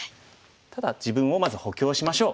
ただ自分をまず補強しましょう。